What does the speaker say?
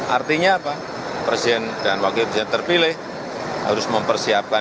artinya apa presiden dan wakil presiden terpilih harus mempersiapkan